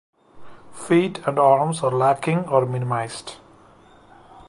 Feet and arms are lacking or minimized.